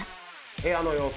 部屋の様子